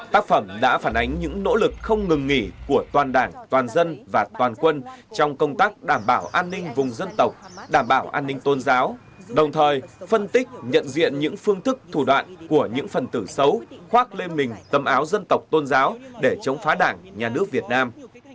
tác phẩm đã phản ánh những nỗ lực không ngừng nghỉ của toàn đảng toàn dân và toàn quân trong công tác đảm bảo an ninh vùng dân tộc đảm bảo an ninh tôn giáo đồng thời phân tích nhận diện những phương thức thủ đoạn của những phần tử xấu khoác lên mình tâm áo dân tộc tôn giáo để chống phá đảng nhà nước việt nam